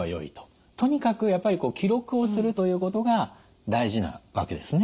とにかくやっぱり記録をするということが大事なわけですね。